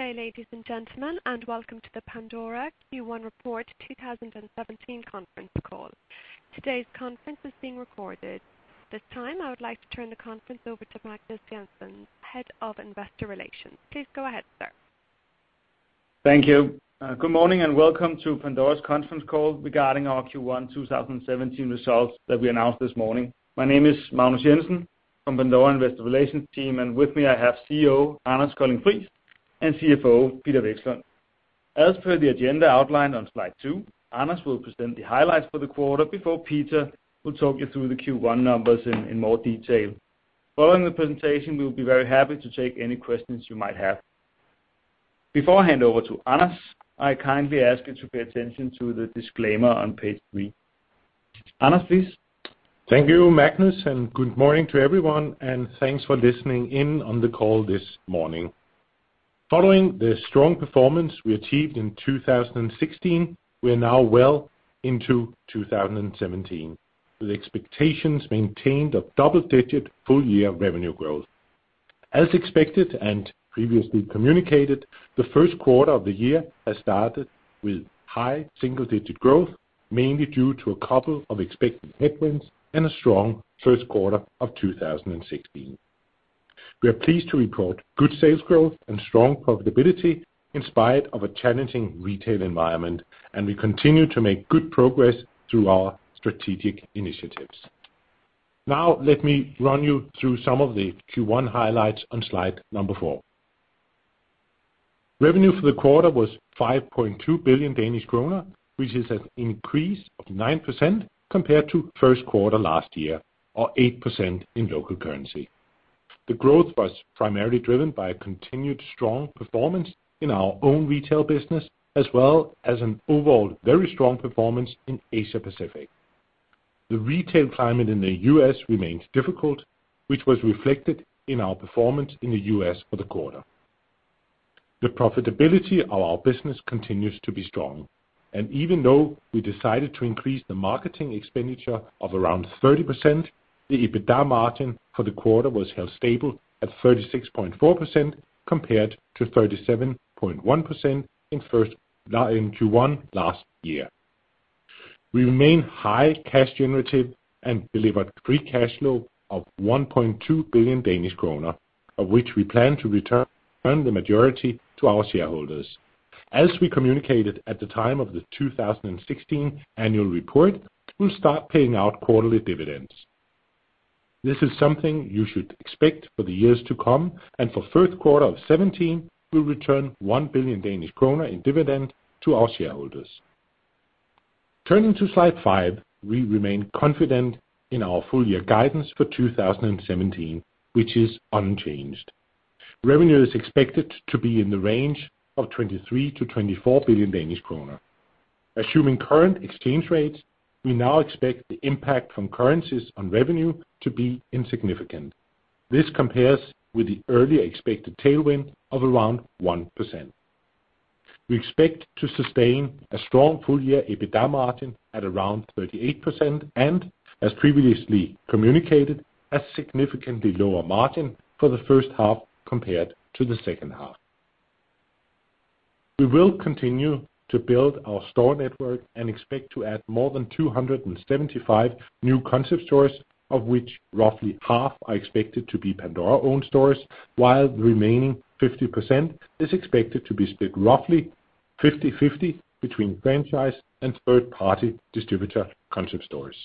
Good day, ladies and gentlemen, and welcome to the Pandora Q1 Report 2017 Conference Call. Today's conference is being recorded. At this time, I would like to turn the conference over to Magnus Jensen, Head of Investor Relations. Please go ahead, sir. Thank you. Good morning, and welcome to Pandora's conference call regarding our Q1 2017 results that we announced this morning. My name is Magnus Jensen from Pandora Investor Relations team, and with me, I have CEO Anders Colding Friis and CFO Peter Vekslund. As per the agenda outlined on slide 2, Anders will present the highlights for the quarter before Peter will talk you through the Q1 numbers in more detail. Following the presentation, we will be very happy to take any questions you might have. Before I hand over to Anders, I kindly ask you to pay attention to the disclaimer on page 3. Anders, please? Thank you, Magnus, and good morning to everyone, and thanks for listening in on the call this morning. Following the strong performance we achieved in 2016, we are now well into 2017, with expectations maintained of double-digit full-year revenue growth. As expected and previously communicated, the first quarter of the year has started with high single-digit growth, mainly due to a couple of expected headwinds and a strong first quarter of 2016. We are pleased to report good sales growth and strong profitability in spite of a challenging retail environment, and we continue to make good progress through our strategic initiatives. Now, let me run you through some of the Q1 highlights on slide number 4. Revenue for the quarter was 5.2 billion Danish kroner, which is an increase of 9% compared to first quarter last year, or 8% in local currency. The growth was primarily driven by a continued strong performance in our own retail business, as well as an overall very strong performance in Asia Pacific. The retail climate in the U.S. remains difficult, which was reflected in our performance in the U.S. for the quarter. The profitability of our business continues to be strong, and even though we decided to increase the marketing expenditure of around 30%, the EBITDA margin for the quarter was held stable at 36.4%, compared to 37.1% in Q1 last year. We remain high cash generative and delivered free cash flow of 1.2 billion Danish kroner, of which we plan to return the majority to our shareholders. As we communicated at the time of the 2016 annual report, we'll start paying out quarterly dividends. This is something you should expect for the years to come, and for first quarter of 2017, we'll return 1 billion Danish kroner in dividend to our shareholders. Turning to slide five, we remain confident in our full year guidance for 2017, which is unchanged. Revenue is expected to be in the range of 23 billion-24 billion Danish kroner. Assuming current exchange rates, we now expect the impact from currencies on revenue to be insignificant. This compares with the earlier expected tailwind of around 1%. We expect to sustain a strong full-year EBITDA margin at around 38%, and as previously communicated, a significantly lower margin for the first half compared to the second half. We will continue to build our store network and expect to add more than 275 new concept stores, of which roughly half are expected to be Pandora-owned stores, while the remaining 50% is expected to be split roughly 50/50 between franchise and third-party distributor concept stores.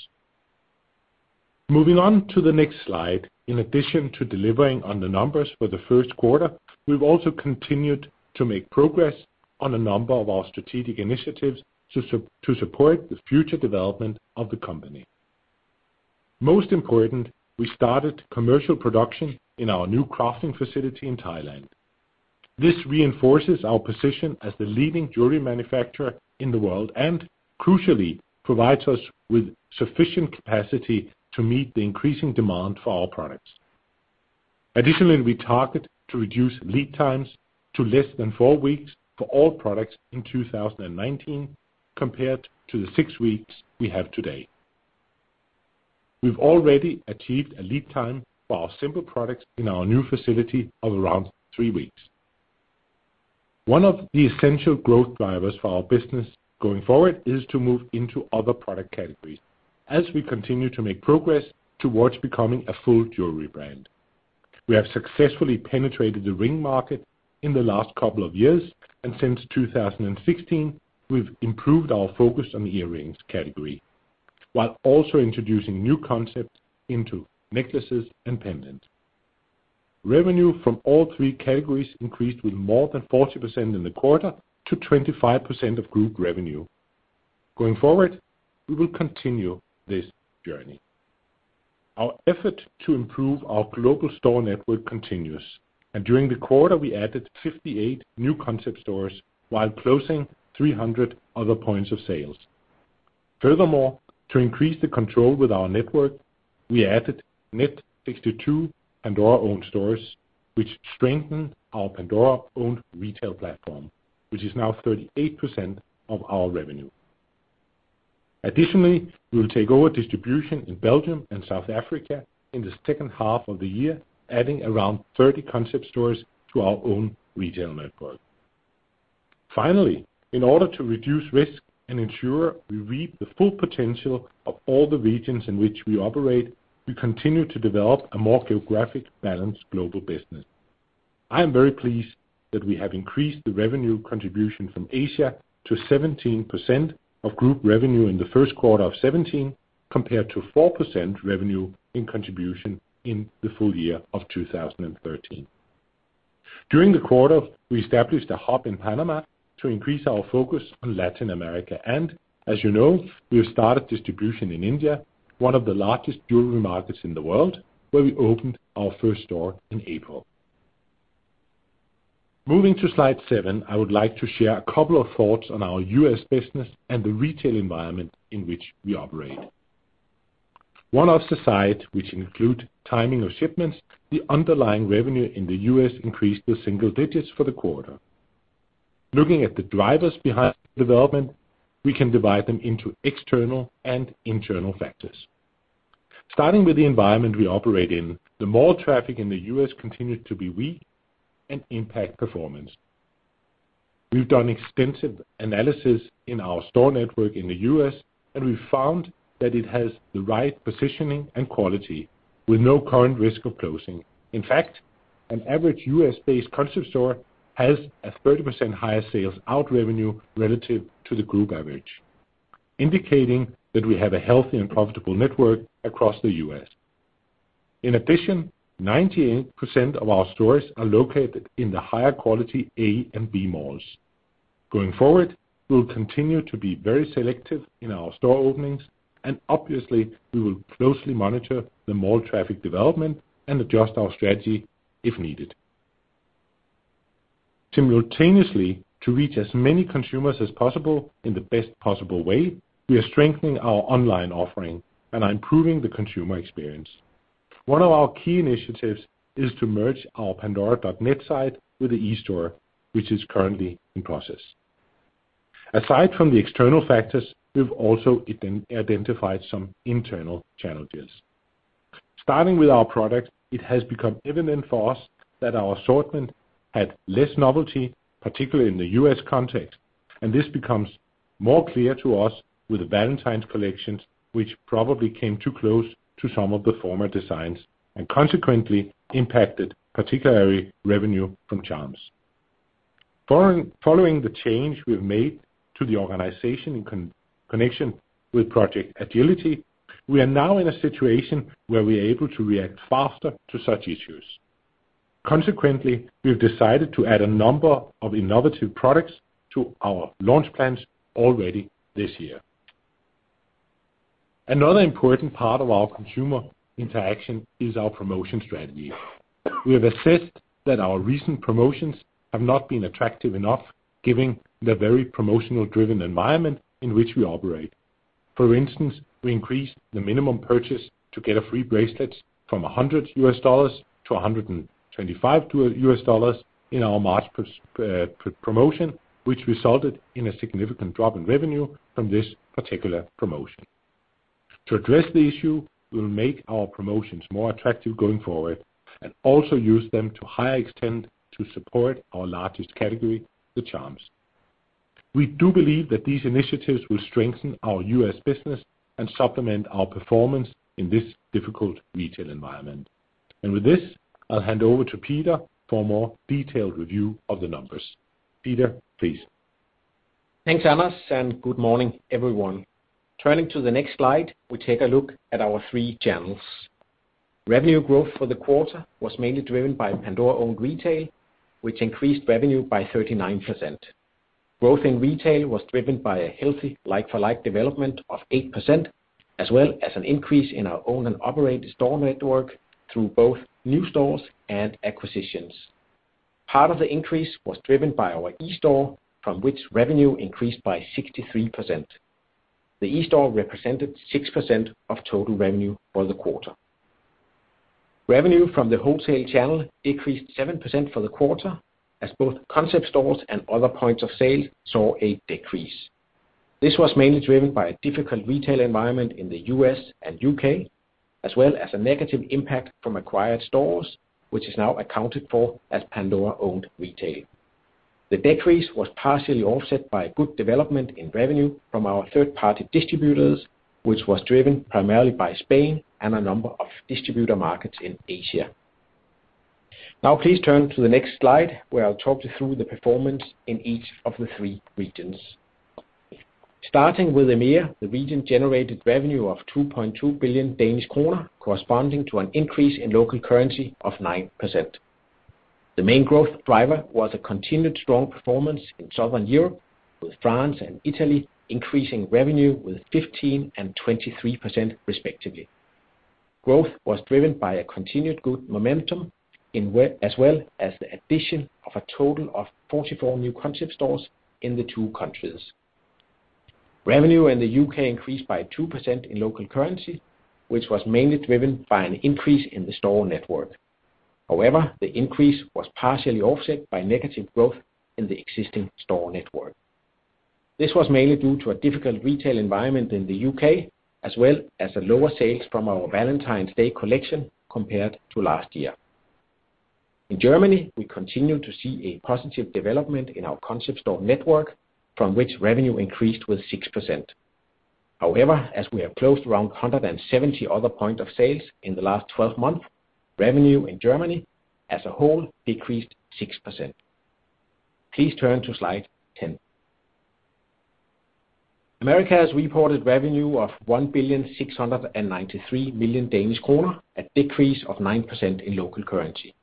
Moving on to the next slide. In addition to delivering on the numbers for the first quarter, we've also continued to make progress on a number of our strategic initiatives to support the future development of the company. Most important, we started commercial production in our new crafting facility in Thailand. This reinforces our position as the leading jewelry manufacturer in the world, and crucially, provides us with sufficient capacity to meet the increasing demand for our products. Additionally, we target to reduce lead times to less than four weeks for all products in 2019, compared to the six weeks we have today. We've already achieved a lead time for our simpler products in our new facility of around three weeks. One of the essential growth drivers for our business going forward is to move into other product categories as we continue to make progress towards becoming a full jewelry brand. We have successfully penetrated the ring market in the last couple of years, and since 2016, we've improved our focus on the earrings category, while also introducing new concepts into necklaces and pendants. Revenue from all three categories increased with more than 40% in the quarter to 25% of group revenue. Going forward, we will continue this journey. Our effort to improve our global store network continues, and during the quarter, we added 58 new concept stores while closing 300 other points of sale. Furthermore, to increase the control with our network, we added net 62 Pandora-owned stores, which strengthened our Pandora-owned retail platform, which is now 38% of our revenue.... Additionally, we will take over distribution in Belgium and South Africa in the second half of the year, adding around 30 concept stores to our own retail network. Finally, in order to reduce risk and ensure we reap the full potential of all the regions in which we operate, we continue to develop a more geographic, balanced global business. I am very pleased that we have increased the revenue contribution from Asia to 17% of group revenue in the first quarter of 2017, compared to 4% revenue in contribution in the full year of 2013. During the quarter, we established a hub in Panama to increase our focus on Latin America, and as you know, we have started distribution in India, one of the largest jewelry markets in the world, where we opened our first store in April. Moving to slide 7, I would like to share a couple of thoughts on our U.S. business and the retail environment in which we operate. one-offs aside, which include timing of shipments, the underlying revenue in the U.S. increased to single digits for the quarter. Looking at the drivers behind the development, we can divide them into external and internal factors. Starting with the environment we operate in, the mall traffic in the U.S. continued to be weak and impact performance. We've done extensive analysis in our store network in the U.S., and we found that it has the right positioning and quality, with no current risk of closing. In fact, an average U.S.-based concept store has a 30% higher sell-out revenue relative to the group average, indicating that we have a healthy and profitable network across the U.S. In addition, 98% of our stores are located in the higher quality A and B malls. Going forward, we'll continue to be very selective in our store openings, and obviously, we will closely monitor the mall traffic development and adjust our strategy if needed. Simultaneously, to reach as many consumers as possible in the best possible way, we are strengthening our online offering and are improving the consumer experience. One of our key initiatives is to merge our Pandora.net site with the eSTORE, which is currently in process. Aside from the external factors, we've also identified some internal challenges. Starting with our product, it has become evident for us that our assortment had less novelty, particularly in the U.S. context, and this becomes more clear to us with the Valentine's collections, which probably came too close to some of the former designs and consequently impacted, particularly revenue from charms. Following the change we've made to the organization in connection with Project Agility, we are now in a situation where we are able to react faster to such issues. Consequently, we've decided to add a number of innovative products to our launch plans already this year. Another important part of our consumer interaction is our promotion strategy. We have assessed that our recent promotions have not been attractive enough, given the very promotional driven environment in which we operate. For instance, we increased the minimum purchase to get a free bracelet from $100 to $125 in our March promotion, which resulted in a significant drop in revenue from this particular promotion. To address the issue, we'll make our promotions more attractive going forward and also use them to higher extent to support our largest category, the charms. We do believe that these initiatives will strengthen our US business and supplement our performance in this difficult retail environment. And with this, I'll hand over to Peter for a more detailed review of the numbers. Peter, please. Thanks, Anders, and good morning, everyone. Turning to the next slide, we take a look at our three channels. Revenue growth for the quarter was mainly driven by Pandora-owned retail, which increased revenue by 39%. Growth in retail was driven by a healthy like-for-like development of 8%, as well as an increase in our own and operate store network through both new stores and acquisitions. Part of the increase was driven by our eSTORE, from which revenue increased by 63%. The eSTORE represented 6% of total revenue for the quarter. Revenue from the wholesale channel increased 7% for the quarter, as both concept stores and other points of sale saw a decrease. This was mainly driven by a difficult retail environment in the U.S. and U.K., as well as a negative impact from acquired stores, which is now accounted for as Pandora-owned retail. The decrease was partially offset by a good development in revenue from our third-party distributors, which was driven primarily by Spain and a number of distributor markets in Asia. Now please turn to the next slide, where I'll talk you through the performance in each of the three regions. Starting with EMEA, the region generated revenue of 2.2 billion Danish kroner, corresponding to an increase in local currency of 9%. The main growth driver was a continued strong performance in Southern Europe, with France and Italy increasing revenue with 15% and 23%, respectively. Growth was driven by a continued good momentum, as well as the addition of a total of 44 new concept stores in the two countries. Revenue in the UK increased by 2% in local currency, which was mainly driven by an increase in the store network. However, the increase was partially offset by negative growth in the existing store network. This was mainly due to a difficult retail environment in the U.K., as well as the lower sales from our Valentine's Day collection compared to last year. In Germany, we continued to see a positive development in our Concept Store network, from which revenue increased with 6%. However, as we have closed around 170 other points of sale in the last 12 months, revenue in Germany as a whole decreased 6%. Please turn to slide 10. Americas has reported revenue of 1,693 million Danish kroner, a decrease of 9% in local currency.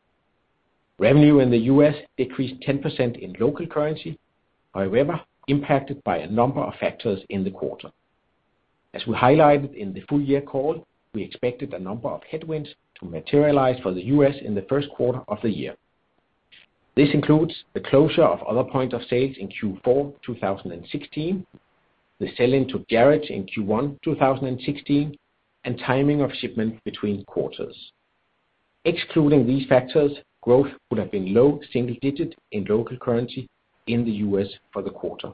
Revenue in the U.S. decreased 10% in local currency, however, impacted by a number of factors in the quarter. As we highlighted in the full year call, we expected a number of headwinds to materialize for the U.S. in the first quarter of the year. This includes the closure of other points of sale in Q4 2016, the sell-in to Jared in Q1 2016, and timing of shipment between quarters. Excluding these factors, growth would have been low single-digit in local currency in the U.S. for the quarter.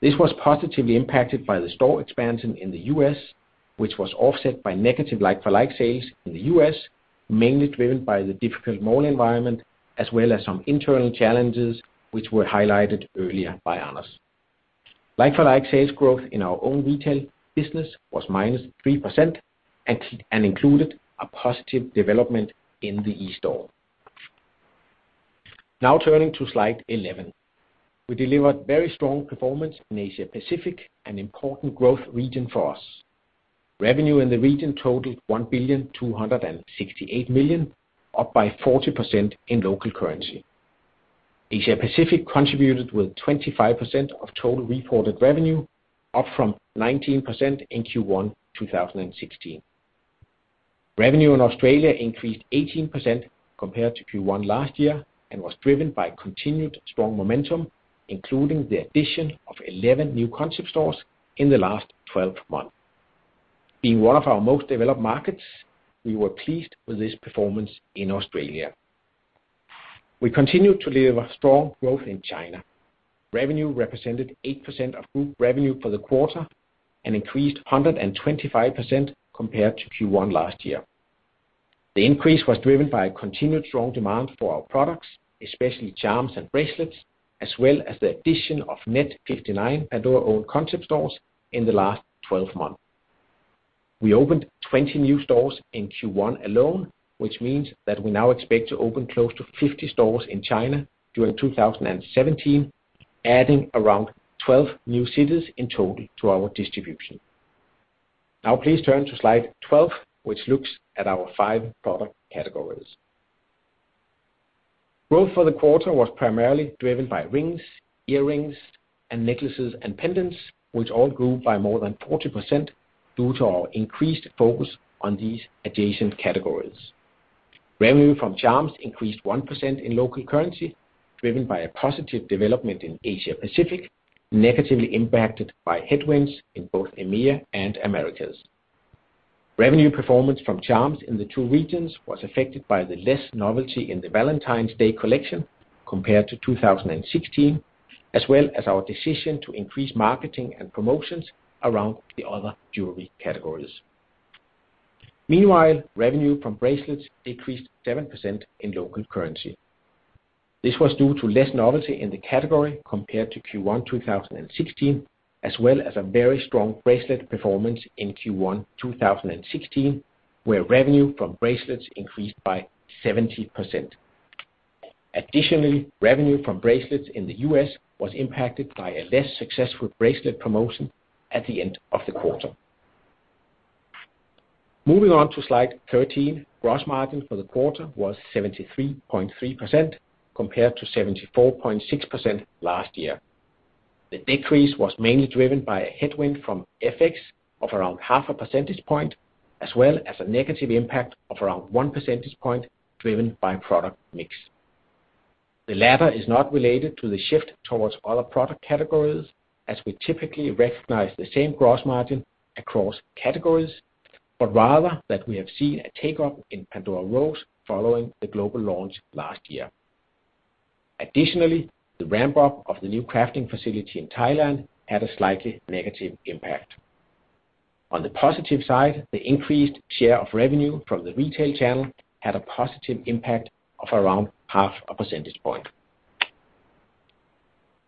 This was positively impacted by the store expansion in the U.S., which was offset by negative like-for-like sales in the U.S., mainly driven by the difficult mall environment, as well as some internal challenges which were highlighted earlier by Anders. Like-for-like sales growth in our own retail business was -3% and included a positive development in the eSTORE. Now turning to slide 11. We delivered very strong performance in Asia Pacific, an important growth region for us. Revenue in the region totaled 1,268 million, up by 40% in local currency. Asia Pacific contributed with 25% of total reported revenue, up from 19% in Q1, 2016. Revenue in Australia increased 18% compared to Q1 last year, and was driven by continued strong momentum, including the addition of 11 new concept stores in the last 12 months. In one of our most developed markets, we were pleased with this performance in Australia. We continued to deliver strong growth in China. Revenue represented 8% of group revenue for the quarter and increased 125% compared to Q1 last year. The increase was driven by a continued strong demand for our products, especially charms and bracelets, as well as the addition of net 59 Pandora-owned concept stores in the last 12 months. We opened 20 new stores in Q1 alone, which means that we now expect to open close to 50 stores in China during 2017, adding around 12 new cities in total to our distribution. Now, please turn to slide 12, which looks at our 5 product categories. Growth for the quarter was primarily driven by rings, earrings, and necklaces and pendants, which all grew by more than 40% due to our increased focus on these adjacent categories. Revenue from charms increased 1% in local currency, driven by a positive development in Asia Pacific, negatively impacted by headwinds in both EMEA and Americas. Revenue performance from charms in the two regions was affected by the less novelty in the Valentine's Day collection compared to 2016, as well as our decision to increase marketing and promotions around the other jewelry categories. Meanwhile, revenue from bracelets decreased 7% in local currency. This was due to less novelty in the category compared to Q1, 2016, as well as a very strong bracelet performance in Q1, 2016, where revenue from bracelets increased by 70%. Additionally, revenue from bracelets in the U.S. was impacted by a less successful bracelet promotion at the end of the quarter. Moving on to slide 13, gross margin for the quarter was 73.3%, compared to 74.6% last year. The decrease was mainly driven by a headwind from FX of around half a percentage point, as well as a negative impact of around one percentage point, driven by product mix. The latter is not related to the shift towards other product categories, as we typically recognize the same gross margin across categories, but rather that we have seen a take-up in Pandora Rose following the global launch last year. Additionally, the ramp-up of the new crafting facility in Thailand had a slightly negative impact. On the positive side, the increased share of revenue from the retail channel had a positive impact of around half a percentage point.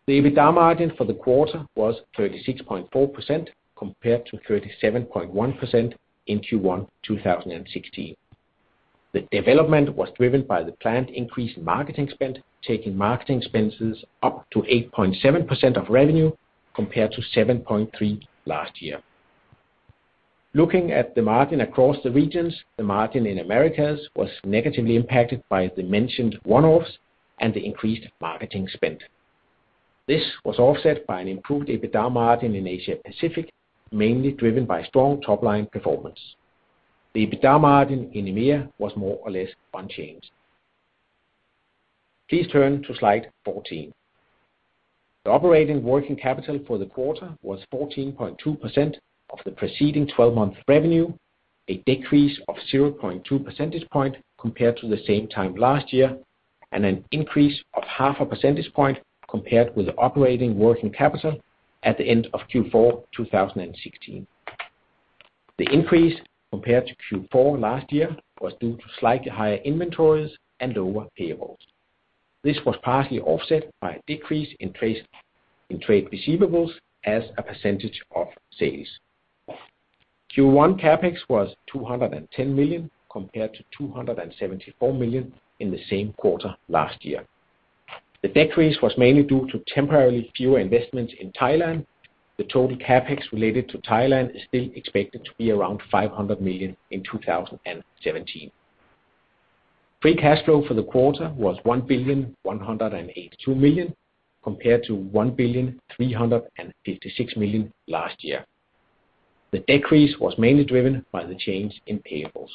The EBITDA margin for the quarter was 36.4%, compared to 37.1% in Q1, 2016. The development was driven by the planned increase in marketing spend, taking marketing expenses up to 8.7% of revenue, compared to 7.3% last year. Looking at the margin across the regions, the margin in Americas was negatively impacted by the mentioned one-offs and the increased marketing spend. This was offset by an improved EBITDA margin in Asia Pacific, mainly driven by strong top-line performance. The EBITDA margin in EMEA was more or less unchanged. Please turn to slide 14. The operating working capital for the quarter was 14.2% of the preceding 12-month revenue, a decrease of 0.2 percentage point compared to the same time last year, and an increase of 0.5 percentage point compared with the operating working capital at the end of Q4 2016. The increase compared to Q4 last year was due to slightly higher inventories and lower payables. This was partly offset by a decrease in trade, in trade receivables as a percentage of sales. Q1 CapEx was 210 million, compared to 274 million in the same quarter last year. The decrease was mainly due to temporarily fewer investments in Thailand. The total CapEx related to Thailand is still expected to be around 500 million in 2017. Free cash flow for the quarter was 1,182 million, compared to 1,356 million last year. The decrease was mainly driven by the change in payables.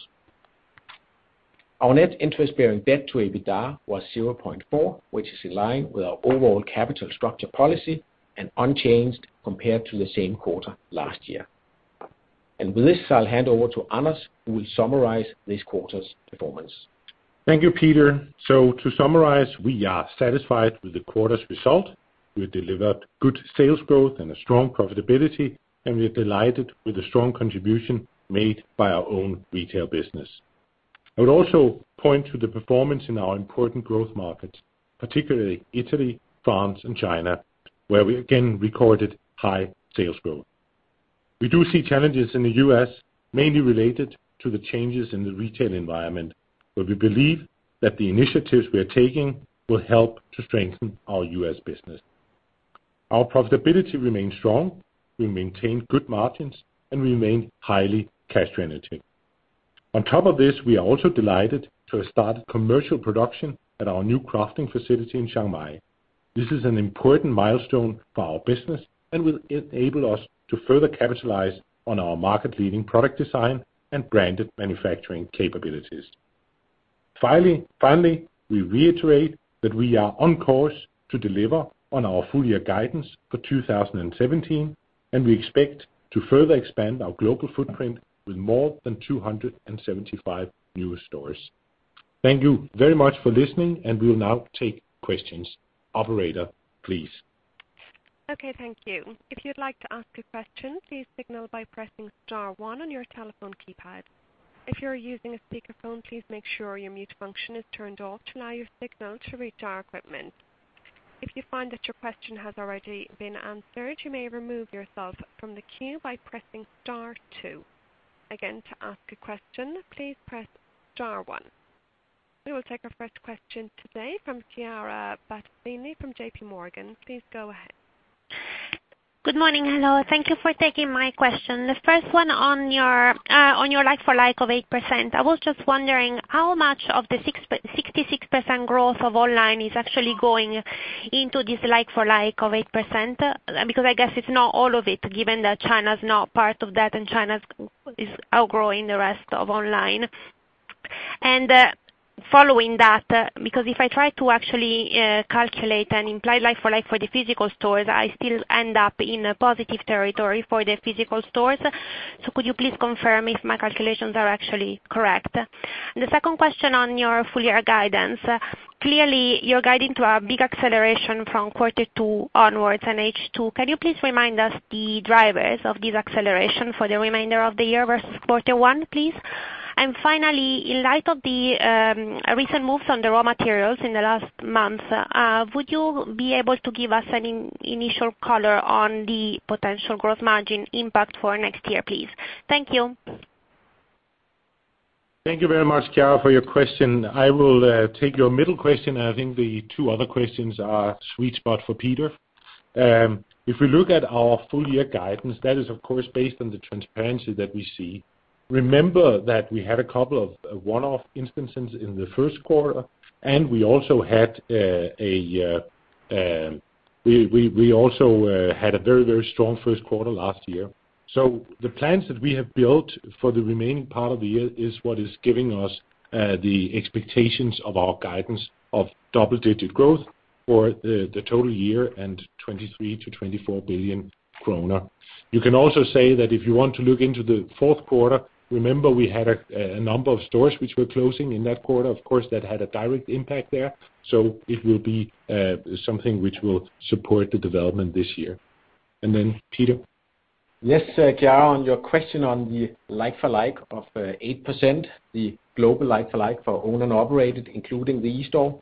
Our net interest-bearing debt to EBITDA was 0.4, which is in line with our overall capital structure policy and unchanged compared to the same quarter last year. With this, I'll hand over to Anders, who will summarize this quarter's performance. Thank you, Peter. So to summarize, we are satisfied with the quarter's result. We delivered good sales growth and a strong profitability, and we are delighted with the strong contribution made by our own retail business. I would also point to the performance in our important growth markets, particularly Italy, France, and China, where we again recorded high sales growth. We do see challenges in the U.S., mainly related to the changes in the retail environment, but we believe that the initiatives we are taking will help to strengthen our U.S. business. Our profitability remains strong. We maintain good margins and remain highly cash generative. On top of this, we are also delighted to have started commercial production at our new crafting facility in Chiang Mai. This is an important milestone for our business and will enable us to further capitalize on our market-leading product design and branded manufacturing capabilities. Finally, finally, we reiterate that we are on course to deliver on our full-year guidance for 2017, and we expect to further expand our global footprint with more than 275 new stores. Thank you very much for listening, and we will now take questions. Operator, please. Okay, thank you. If you'd like to ask a question, please signal by pressing star one on your telephone keypad. If you are using a speakerphone, please make sure your mute function is turned off to allow your signal to reach our equipment. If you find that your question has already been answered, you may remove yourself from the queue by pressing star two. Again, to ask a question, please press star one. We will take our first question today from Chiara Battistini from J.P. Morgan. Please go ahead. Good morning. Hello, thank you for taking my question. The first one on your like-for-like of 8%, I was just wondering how much of the 66% growth of online is actually going into this like-for-like of 8%? Because I guess it's not all of it, given that China's not part of that, and China's is outgrowing the rest of online. Following that, because if I try to actually calculate an implied like-for-like for the physical stores, I still end up in a positive territory for the physical stores. So could you please confirm if my calculations are actually correct? The second question on your full-year guidance: Clearly, you're guiding to a big acceleration from quarter two onwards and H2. Can you please remind us the drivers of this acceleration for the remainder of the year versus quarter one, please? And finally, in light of the recent moves on the raw materials in the last month, would you be able to give us an initial color on the potential growth margin impact for next year, please? Thank you. Thank you very much, Chiara, for your question. I will take your middle question, and I think the two other questions are sweet spot for Peter. If we look at our full-year guidance, that is, of course, based on the transparency that we see. Remember that we had a couple of one-offs instances in the first quarter, and we also had a very, very strong first quarter last year. So the plans that we have built for the remaining part of the year is what is giving us the expectations of our guidance of double-digit growth for the total year and 23 billion-24 billion kroner. You can also say that if you want to look into the fourth quarter, remember we had a number of stores which were closing in that quarter. Of course, that had a direct impact there, so it will be, something which will support the development this year. And then, Peter? Yes, Chiara, on your question on the like-for-like of 8%, the global like-for-like for owned and operated, including the eSTORE,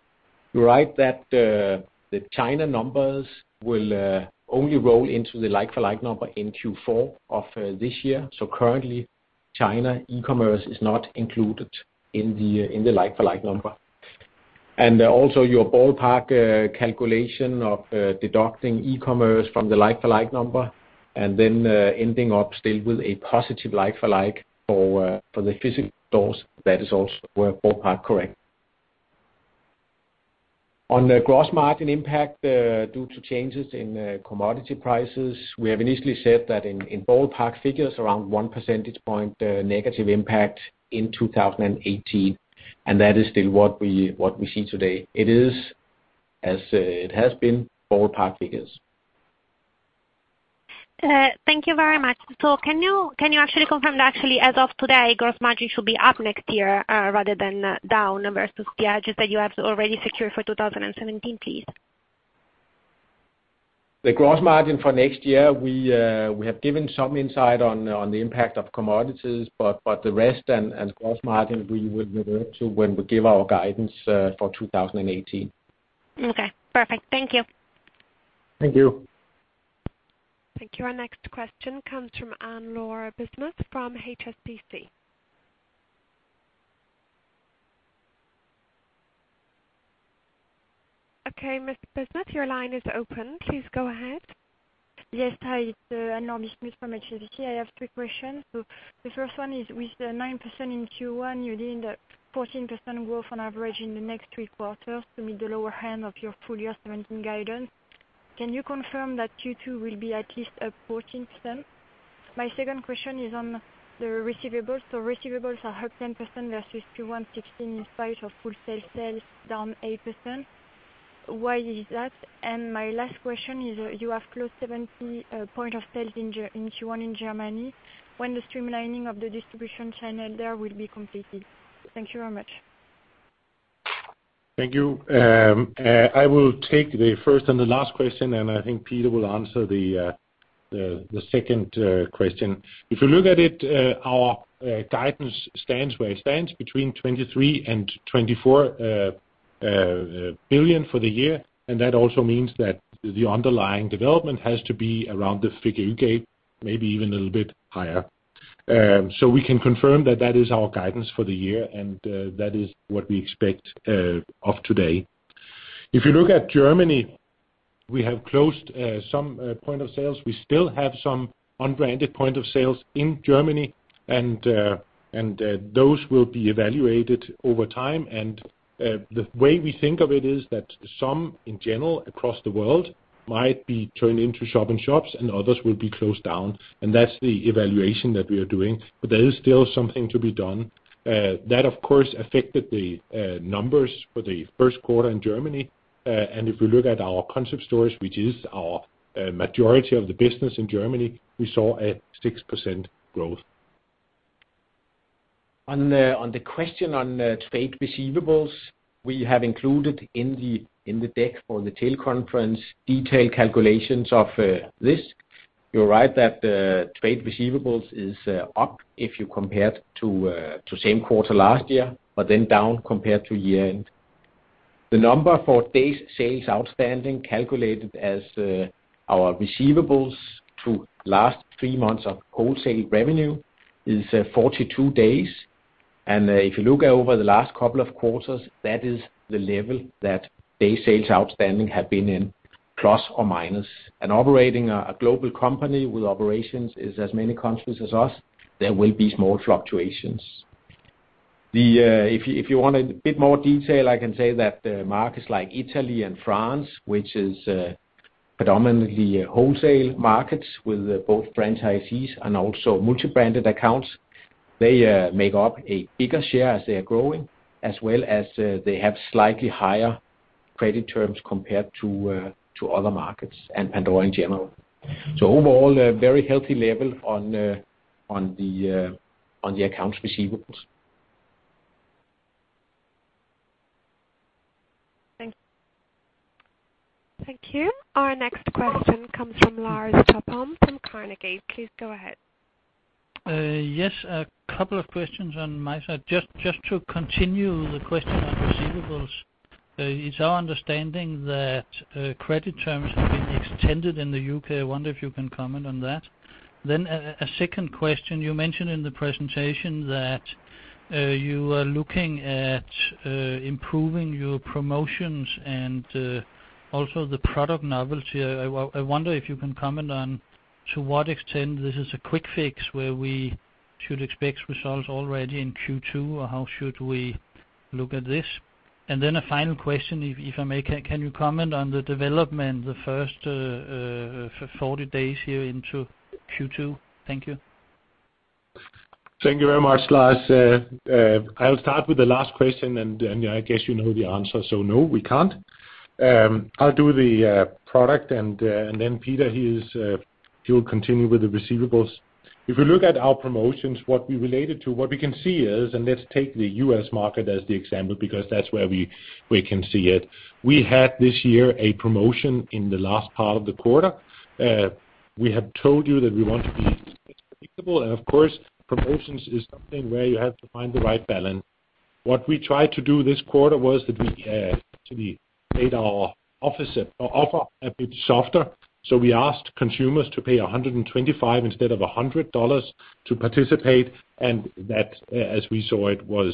you're right that the China numbers will only roll into the like-for-like number in Q4 of this year. So currently, China e-commerce is not included in the like-for-like number. And also, your ballpark calculation of deducting e-commerce from the like-for-like number and then ending up still with a positive like-for-like for the physical stores, that is also ballpark correct. On the gross margin impact due to changes in commodity prices, we have initially said that in ballpark figures, around one percentage point negative impact in 2018, and that is still what we see today. It is, as it has been, ballpark figures. ... thank you very much. So can you, can you actually confirm that actually as of today, gross margin should be up next year, rather than down versus the hedges that you have already secured for 2017, please? The gross margin for next year, we have given some insight on the impact of commodities, but the rest and gross margin, we will revert to when we give our guidance for 2018. Okay, perfect. Thank you. Thank you. Thank you. Our next question comes from Anne-Laure Bismuth from HSBC. Okay, Ms. Bismuth, your line is open. Please go ahead. Yes, hi, it's Anne-Laure Bismuth from HSBC. I have three questions. So the first one is, with the 9% in Q1, you need a 14% growth on average in the next three quarters to meet the lower end of your full year 2017 guidance. Can you confirm that Q2 will be at least up 14%? My second question is on the receivables. So receivables are up 10% versus Q1 2016, in spite of full sales down 8%. Why is that? And my last question is, you have closed 70 points of sale in Q1 in Germany, when the streamlining of the distribution channel there will be completed. Thank you very much. Thank you. I will take the first and the last question, and I think Peter will answer the second question. If you look at it, our guidance stands where it stands between 23 billion and 24 billion for the year, and that also means that the underlying development has to be around the figure you gave, maybe even a little bit higher. So we can confirm that that is our guidance for the year, and that is what we expect of today. If you look at Germany, we have closed some points of sale. We still have some unbranded points of sale in Germany, and those will be evaluated over time. The way we think of it is that some in general, across the world, might be turned into shop-in-shops, and others will be closed down, and that's the evaluation that we are doing. There is still something to be done. That of course affected the numbers for the first quarter in Germany, and if you look at our concept stores, which is our majority of the business in Germany, we saw a 6% growth. On the question on trade receivables, we have included in the deck for the teleconference detailed calculations of this. You're right that the trade receivables is up if you compare it to same quarter last year, but then down compared to year-end. The number for days sales outstanding, calculated as our receivables to last three months of wholesale revenue, is 42 days. And if you look over the last couple of quarters, that is the level that days sales outstanding have been in, plus or minus. And operating a global company with operations in as many countries as us, there will be small fluctuations. If you want a bit more detail, I can say that the markets like Italy and France, which is predominantly wholesale markets with both franchisees and also multi-branded accounts, they make up a bigger share as they are growing, as well as they have slightly higher credit terms compared to other markets and Pandora in general. So overall, a very healthy level on the accounts receivables. Thank you. Our next question comes from Lars Topholm from Carnegie. Please go ahead. Yes, a couple of questions on my side. Just to continue the question on receivables, it's our understanding that credit terms have been extended in the UK. I wonder if you can comment on that. Then a second question, you mentioned in the presentation that you are looking at improving your promotions and also the product novelty. I wonder if you can comment on to what extent this is a quick fix, where we should expect results already in Q2, or how should we look at this? And then a final question, if I may: Can you comment on the development, the first 40 days here into Q2? Thank you. Thank you very much, Lars. I'll start with the last question, and then, I guess you know the answer, so no, we can't. I'll do the product, and then Peter, he's, he will continue with the receivables. If you look at our promotions, what we related to, what we can see is, and let's take the U.S. market as the example, because that's where we, we can see it. We had this year a promotion in the last part of the quarter. We have told you that we want to be predictable, and of course, promotions is something where you have to find the right balance. What we tried to do this quarter was that we actually made our offer a bit softer. So we asked consumers to pay $125 instead of $100 to participate, and that, as we saw it, was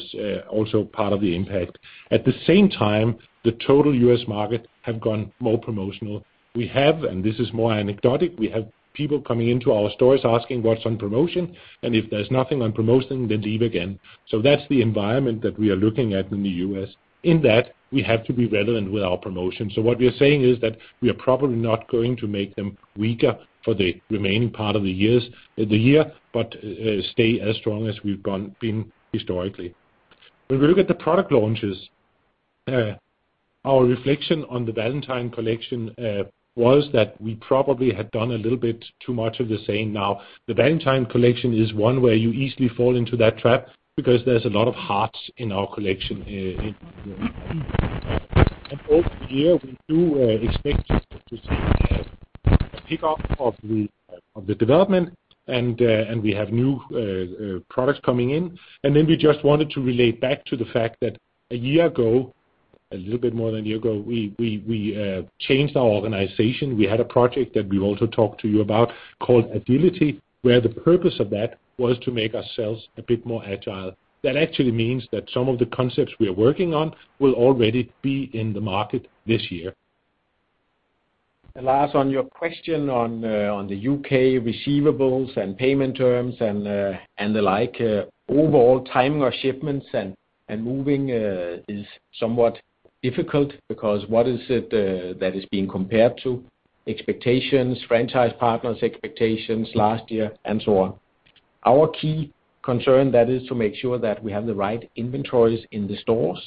also part of the impact. At the same time, the total U.S. market have gone more promotional. We have, and this is more anecdotal, we have people coming into our stores asking what's on promotion, and if there's nothing on promotion, they leave again. So that's the environment that we are looking at in the U.S. In that, we have to be relevant with our promotions. So what we are saying is that we are probably not going to make them weaker for the remaining part of the year, but stay as strong as we've been historically. When we look at the product launches, our reflection on the Valentine Collection was that we probably had done a little bit too much of the same. Now, the Valentine Collection is one where you easily fall into that trap because there's a lot of hearts in our collection in. And over the year, we do expect to see a pick up of the development, and we have new products coming in. And then we just wanted to relate back to the fact that a year ago, a little bit more than a year ago, we changed our organization. We had a project that we also talked to you about called Agility, where the purpose of that was to make ourselves a bit more agile. That actually means that some of the concepts we are working on will already be in the market this year. Lars, on your question on the UK receivables and payment terms and the like, overall timing of shipments and moving, is somewhat difficult because what is it that is being compared to? Expectations, franchise partners' expectations last year, and so on. Our key concern, that is to make sure that we have the right inventories in the stores.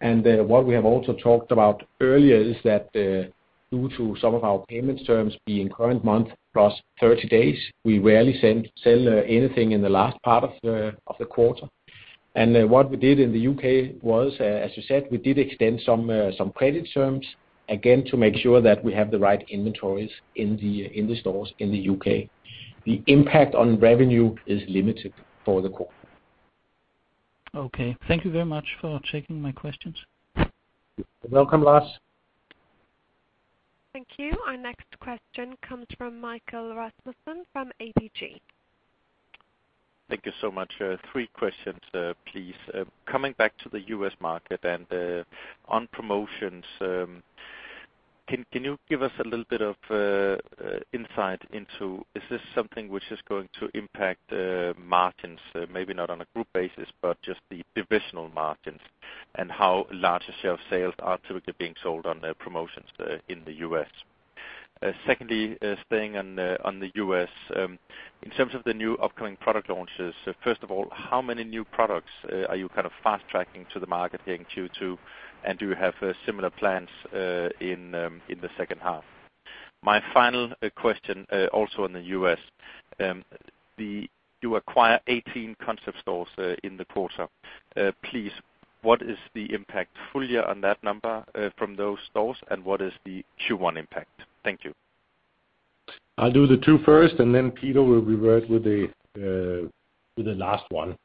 What we have also talked about earlier is that, due to some of our payment terms being current month plus 30 days, we rarely sell anything in the last part of the quarter. What we did in the UK was, as you said, we did extend some credit terms, again, to make sure that we have the right inventories in the stores in the UK. The impact on revenue is limited for the quarter. Okay. Thank you very much for taking my questions. You're welcome, Lars. Thank you. Our next question comes from Michael Rasmussen from ABG Sundal Collier. Thank you so much. Three questions, please. Coming back to the U.S. market and on promotions, can you give us a little bit of insight into is this something which is going to impact margins? Maybe not on a group basis, but just the divisional margins, and how large a share of sales are typically being sold on promotions in the U.S. Secondly, staying on the U.S., in terms of the new upcoming product launches, first of all, how many new products are you kind of fast-tracking to the market here in Q2? And do you have similar plans in the second half? My final question also on the U.S., you acquire 18 concept stores in the quarter. Please, what is the impact fully on that number, from those stores, and what is the Q1 impact? Thank you. I'll do the two first, and then Peter will revert with the, with the last one.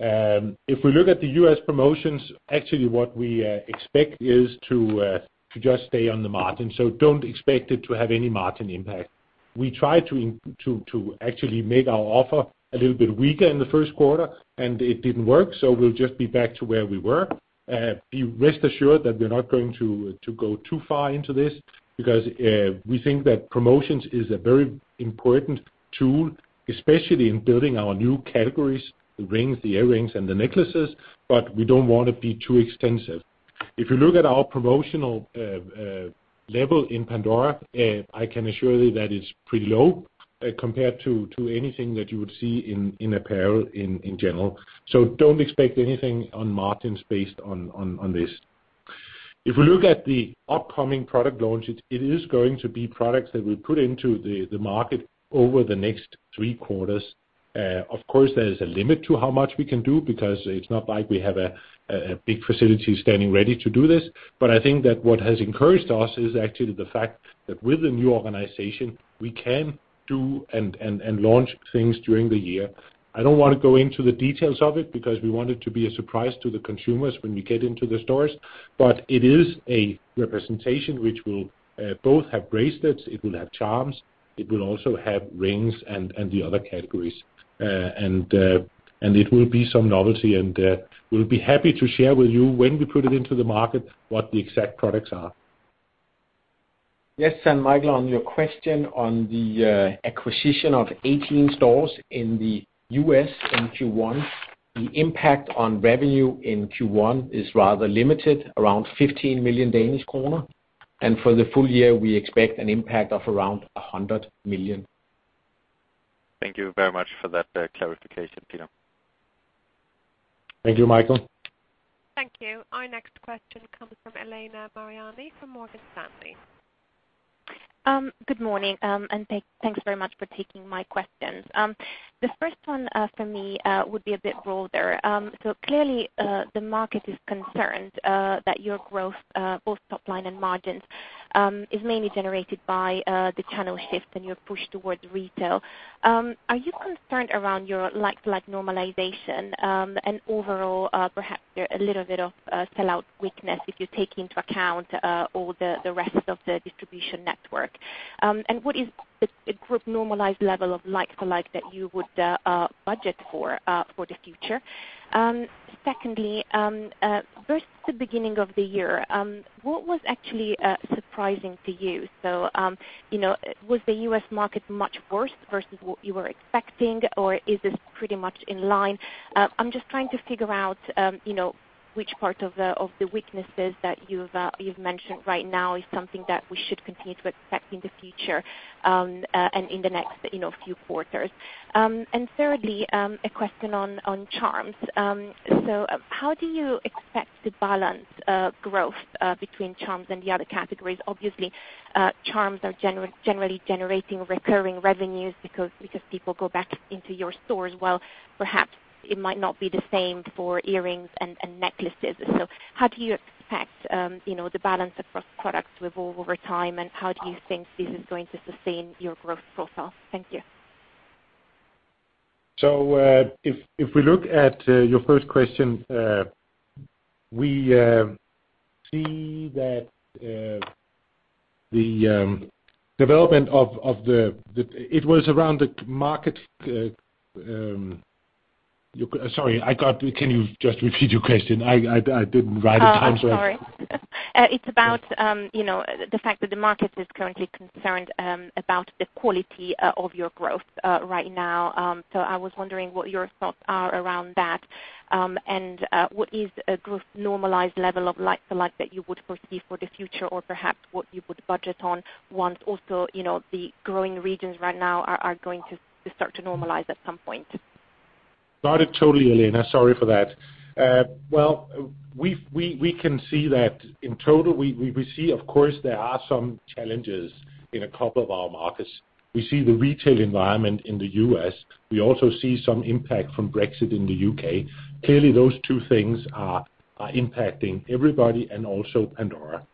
If we look at the U.S. promotions, actually what we expect is to to just stay on the margin. So don't expect it to have any margin impact. We tried to in- to, to actually make our offer a little bit weaker in the first quarter, and it didn't work, so we'll just be back to where we were. Be rest assured that we're not going to go too far into this, because we think that promotions is a very important tool, especially in building our new categories, the rings, the earrings, and the necklaces, but we don't want to be too extensive. If you look at our promotional level in Pandora, I can assure you that it's pretty low compared to anything that you would see in apparel in general. So don't expect anything on margins based on this. If we look at the upcoming product launches, it is going to be products that we put into the market over the next three quarters. Of course, there is a limit to how much we can do because it's not like we have a big facility standing ready to do this. But I think that what has encouraged us is actually the fact that with the new organization, we can do and launch things during the year. I don't want to go into the details of it, because we want it to be a surprise to the consumers when we get into the stores. But it is a representation which will both have bracelets, it will have charms, it will also have rings and the other categories. And it will be some novelty, and we'll be happy to share with you when we put it into the market, what the exact products are. Yes, and Michael, on your question on the acquisition of 18 stores in the US in Q1, the impact on revenue in Q1 is rather limited, around 15 million Danish kroner, and for the full year, we expect an impact of around 100 million. Thank you very much for that, clarification, Peter. Thank you, Michael. Thank you. Our next question comes from Elena Mariani from Morgan Stanley. Good morning, and thanks very much for taking my questions. The first one from me would be a bit broader. So clearly, the market is concerned that your growth, both top line and margins, is mainly generated by the channel shift and your push towards retail. Are you concerned around your like-for-like normalization, and overall, perhaps a little bit of sellout weakness if you take into account all the rest of the distribution network? And what is the group normalized level of like-for-like that you would budget for the future? Secondly, versus the beginning of the year, what was actually surprising to you? So, you know, was the U.S. market much worse versus what you were expecting, or is this pretty much in line? I'm just trying to figure out, you know, which part of the weaknesses that you've mentioned right now is something that we should continue to expect in the future, and in the next, you know, few quarters? And thirdly, a question on charms. So how do you expect to balance growth between charms and the other categories? Obviously, charms are generally generating recurring revenues because people go back into your stores, while perhaps it might not be the same for earrings and necklaces. How do you expect, you know, the balance across products to evolve over time, and how do you think this is going to sustain your growth profile? Thank you. So, if we look at your first question, we see that the development of the, it was around the market, you... Sorry, I got. Can you just repeat your question? I didn't write it down so I- Oh, I'm sorry. It's about, you know, the fact that the market is currently concerned about the quality of your growth right now. So I was wondering what your thoughts are around that, and what is a growth normalized level of like for like that you would foresee for the future, or perhaps what you would budget on once also, you know, the growing regions right now are going to start to normalize at some point? Got it totally, Elena, sorry for that. Well, we can see that in total, we see, of course, there are some challenges in a couple of our markets. We see the retail environment in the U.S. We also see some impact from Brexit in the U.K. Clearly, those two things are impacting everybody and also Pandora.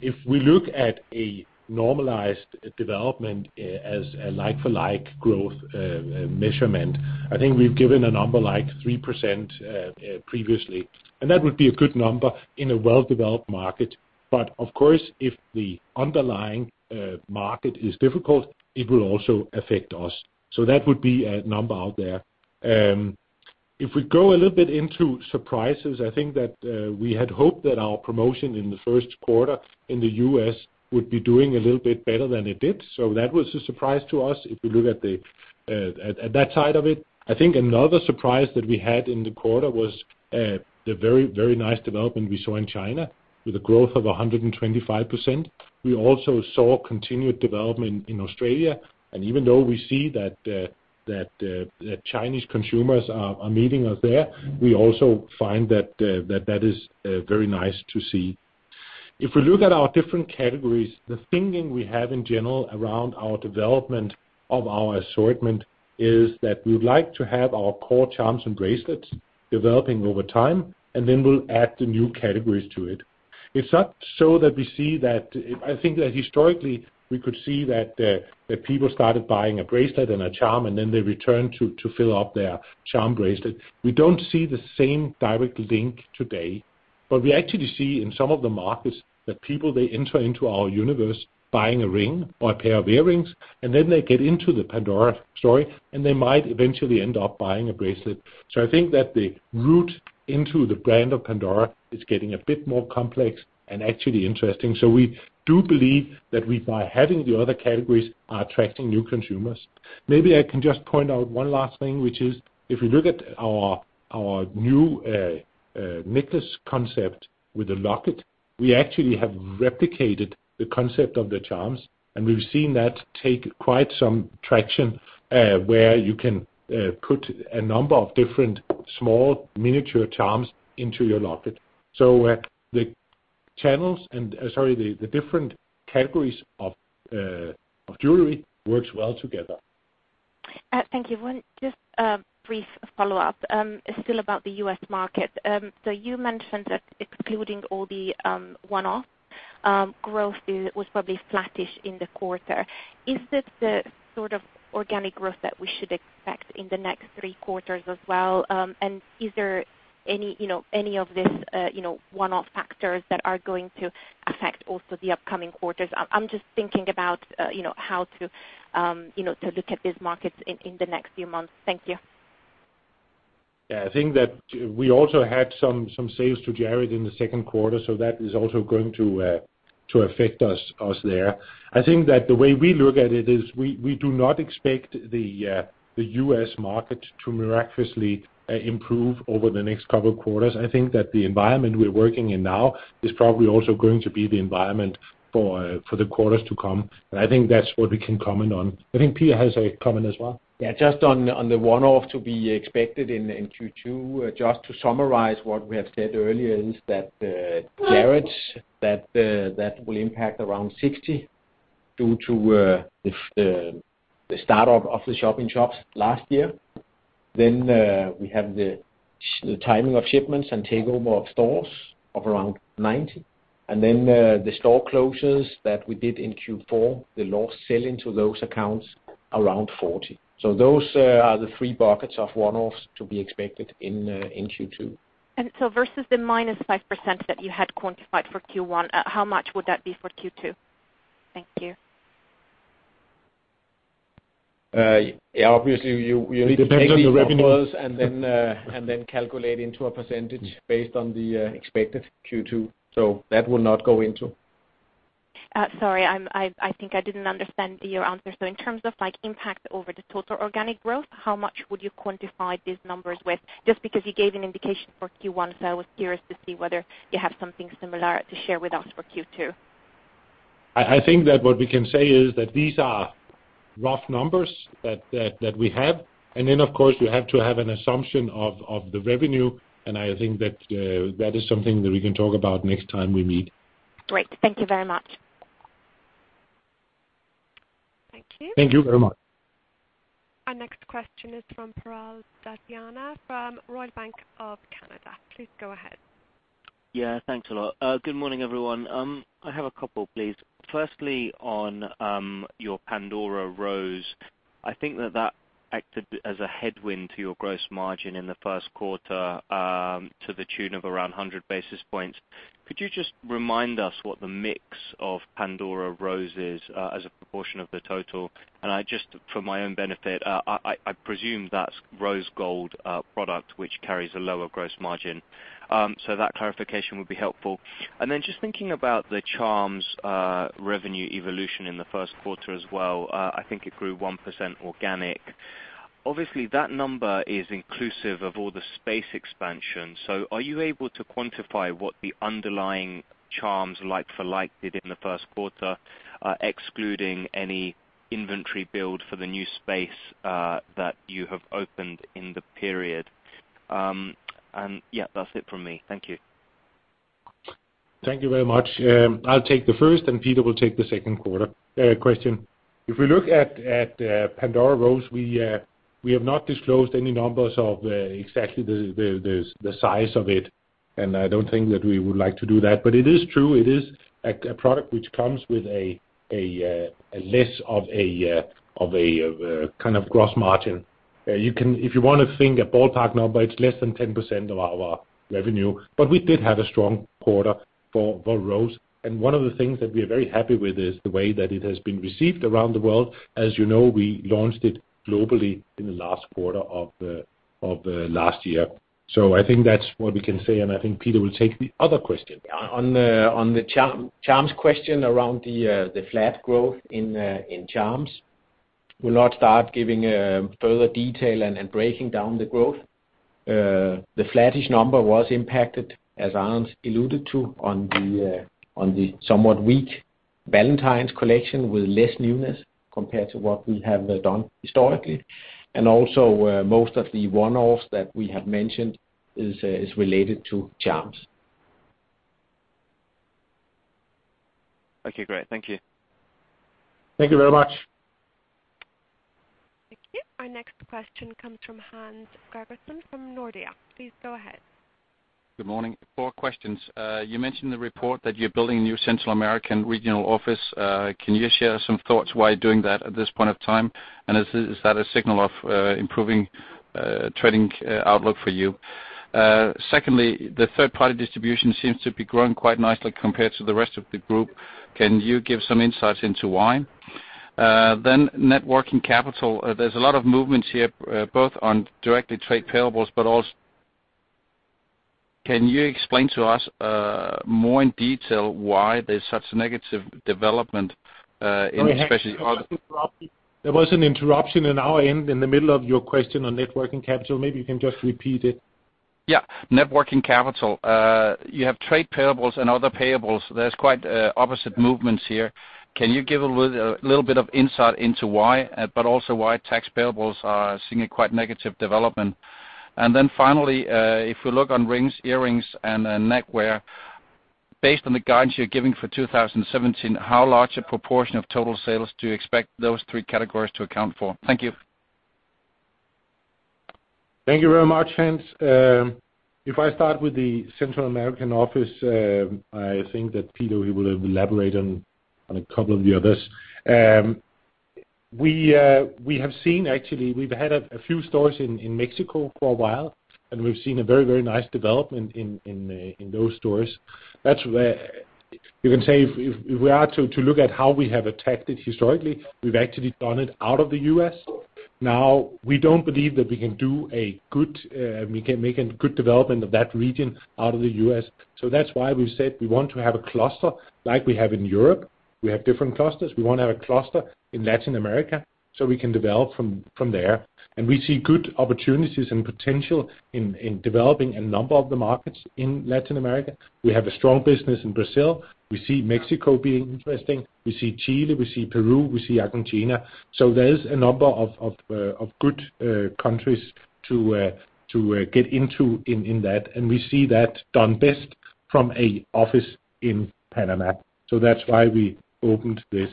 If we look at a normalized development as a like-for-like growth measurement, I think we've given a number like 3% previously, and that would be a good number in a well-developed market. But of course, if the underlying market is difficult, it will also affect us. So that would be a number out there. If we go a little bit into surprises, I think that we had hoped that our promotion in the first quarter in the U.S. would be doing a little bit better than it did, so that was a surprise to us, if we look at that side of it. I think another surprise that we had in the quarter was the very, very nice development we saw in China with a growth of 125%. We also saw continued development in Australia, and even though we see that that Chinese consumers are meeting us there, we also find that that that is very nice to see. If we look at our different categories, the thinking we have in general around our development of our assortment is that we'd like to have our core charms and bracelets developing over time, and then we'll add the new categories to it. It's not so that we see that... I think that historically we could see that, that people started buying a bracelet and a charm, and then they returned to fill up their charm bracelet. We don't see the same direct link today, but we actually see in some of the markets that people, they enter into our universe buying a ring or a pair of earrings, and then they get into the Pandora story, and they might eventually end up buying a bracelet. So I think that the route into the brand of Pandora is getting a bit more complex and actually interesting. So we do believe that we, by having the other categories, are attracting new consumers. Maybe I can just point out one last thing, which is, if you look at our new necklace concept with the locket, we actually have replicated the concept of the charms, and we've seen that take quite some traction, where you can put a number of different small, miniature charms into your locket. So, the different categories of jewelry works well together. Thank you. One just brief follow-up, still about the U.S. market. So you mentioned that excluding all the one-offs growth was probably flattish in the quarter. Is this the sort of organic growth that we should expect in the next three quarters as well? And is there any, you know, any of this you know one-offs factors that are going to affect also the upcoming quarters? I'm just thinking about you know how to you know to look at these markets in the next few months. Thank you. Yeah, I think that we also had some sales to Jared in the second quarter, so that is also going to affect us there. I think that the way we look at it is we do not expect the U.S. market to miraculously improve over the next couple quarters. I think that the environment we're working in now is probably also going to be the environment for the quarters to come, and I think that's what we can comment on. I think Peter has a comment as well. Yeah, just on the one-offs to be expected in Q2, just to summarize what we have said earlier, is that Jared that will impact around 60 million due to the start of the shop-in-shops last year. Then, we have the timing of shipments and takeover of stores of around 90 million. And then, the store closures that we did in Q4, the lost sell-in to those accounts, around 40 million. So those are the three buckets of one-offs to be expected in Q2. Versus the -5% that you had quantified for Q1, how much would that be for Q2? Thank you. Yeah, obviously, you need- It depends on the revenue.... and then calculate into a percentage based on the expected Q2. So that will not go into...... Sorry, I think I didn't understand your answer. So in terms of, like, impact over the total organic growth, how much would you quantify these numbers with? Just because you gave an indication for Q1, so I was curious to see whether you have something similar to share with us for Q2. I think that what we can say is that these are rough numbers that we have. And then, of course, you have to have an assumption of the revenue, and I think that that is something that we can talk about next time we meet. Great. Thank you very much. Thank you. Thank you very much. Our next question is from Piral Dadhania from Royal Bank of Canada. Please go ahead. Yeah, thanks a lot. Good morning, everyone. I have a couple, please. Firstly, on your Pandora Rose, I think that that acted as a headwind to your gross margin in the first quarter, to the tune of around 100 basis points. Could you just remind us what the mix of Pandora Rose is as a proportion of the total? And I just, for my own benefit, I presume that's rose gold product, which carries a lower gross margin. So that clarification would be helpful. And then just thinking about the charms, revenue evolution in the first quarter as well, I think it grew 1% organic. Obviously, that number is inclusive of all the space expansion, so are you able to quantify what the underlying charms like for like, did in the first quarter, excluding any inventory build for the new space, that you have opened in the period? And yeah, that's it from me. Thank you. Thank you very much. I'll take the first, and Peter will take the second quarter question. If we look at Pandora Rose, we have not disclosed any numbers of exactly the size of it, and I don't think that we would like to do that. But it is true, it is a less of a kind of gross margin. You can. If you want to think a ballpark number, it's less than 10% of our revenue. But we did have a strong quarter for Rose, and one of the things that we are very happy with is the way that it has been received around the world. As you know, we launched it globally in the last quarter of last year. So I think that's what we can say, and I think Peter will take the other question. On the charms question around the flat growth in charms, we'll not start giving further detail and breaking down the growth. The flattish number was impacted, as Anders alluded to on the somewhat weak Valentine's collection, with less newness compared to what we have done historically. And also, most of the one-offs that we have mentioned is related to charms. Okay, great. Thank you. Thank you very much. Thank you. Our next question comes from Hans Gregersen from Nordea. Please go ahead. Good morning. Four questions. You mentioned the report that you're building a new Central American regional office. Can you share some thoughts why you're doing that at this point of time? And is that a signal of improving trading outlook for you? Secondly, the third-party distribution seems to be growing quite nicely compared to the rest of the group. Can you give some insights into why? Then net working capital, there's a lot of movements here, both on directly trade payables, but also... Can you explain to us more in detail why there's such negative development in especially- There was an interruption on our end in the middle of your question on net working capital. Maybe you can just repeat it. Yeah. Net working capital. You have trade payables and other payables, there's quite opposite movements here. Can you give a little, a little bit of insight into why, but also why tax payables are seeing a quite negative development? And then finally, if we look on rings, earrings, and then neckwear, based on the guidance you're giving for 2017, how large a proportion of total sales do you expect those three categories to account for? Thank you. Thank you very much, Hans. If I start with the Central American office, I think that Peter will elaborate on a couple of the others. We have seen actually, we've had a few stores in Mexico for a while, and we've seen a very, very nice development in those stores. That's where you can say if we are to look at how we have attacked it historically, we've actually done it out of the U.S. Now, we don't believe that we can do a good, we can make a good development of that region out of the U.S., so that's why we've said we want to have a cluster like we have in Europe. We have different clusters. We want to have a cluster in Latin America, so we can develop from there. And we see good opportunities and potential in developing a number of the markets in Latin America. We have a strong business in Brazil. We see Mexico being interesting. We see Chile, we see Peru, we see Argentina. So there is a number of good countries to get into in that, and we see that done best from an office in Panama. So that's why we opened this.